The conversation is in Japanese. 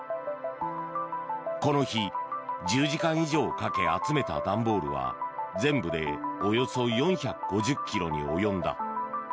この日、１０時間以上かけ集めた段ボールは全部でおよそ４５０ｋｇに及んだ。